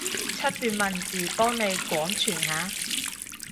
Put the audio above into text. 出段文字，幫你廣傳下？